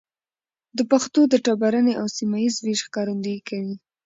د پښتو د ټبرني او سيمه ييز ويش ښکارندويي کوي.